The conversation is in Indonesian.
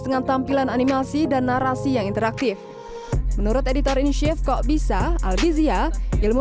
dengan tampilan animasi dan narasi yang interaktif menurut editor in chief kok bisa albizia ilmu